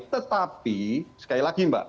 tetapi sekali lagi mbak